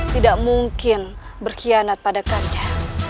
tidak mungkin berkhianat pada kami